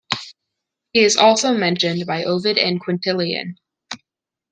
He is also mentioned by Ovid and Quintilian.